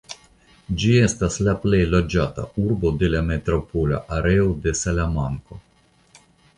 Ĝi estas la plej loĝata urbo de la metropola areo de Salamanko.